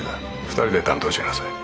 二人で担当しなさい。